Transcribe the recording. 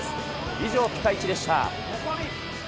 以上、ピカイチでした。